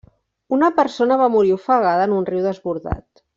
Una persona va morir ofegada en un riu desbordat.